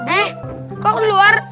eh kok luar